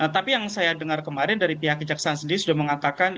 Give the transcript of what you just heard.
tapi yang saya dengar kemarin dari pihak kejaksaan sendiri sudah mengatakan